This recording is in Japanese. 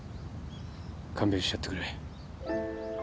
勘弁してやってくれ。